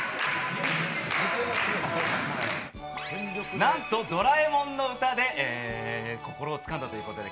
なんと『ドラえもんのうた』で心掴んだということです。